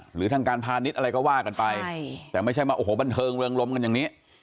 หรือทางการพาณิชย์อะไรก็ว่ากันไปแต่ไม่ใช่มาโอ้โหบันเทิงเรืองลมกันอย่างนี้